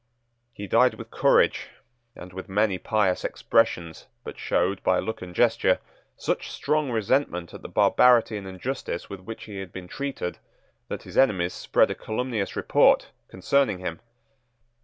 He died with courage and with many pious expressions, but showed, by look and gesture, such strong resentment at the barbarity and injustice with which he had been treated, that his enemies spread a calumnious report concerning him.